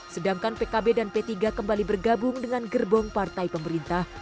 sedangkan pkb dan p tiga kembali bergabung dengan gerbong partai pemerintah